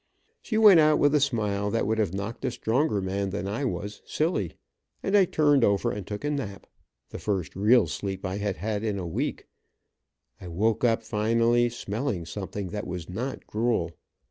She went out with a smile that would have knocked a stronger man than I was silly, and I turned over and took a nap, the first real sleep I had had in a week. I woke up finally smelling something that was not gruel.